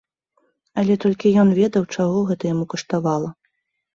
Але толькі ён ведаў, чаго гэта яму каштавала.